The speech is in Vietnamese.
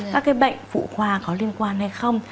các cái bệnh phụ khoa có liên quan hay không